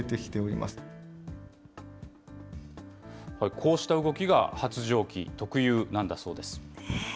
こうした動きが発情期特有なんだそうです。